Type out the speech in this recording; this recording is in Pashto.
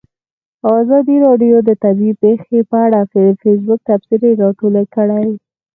ازادي راډیو د طبیعي پېښې په اړه د فیسبوک تبصرې راټولې کړي.